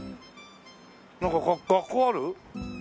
なんか学校ある？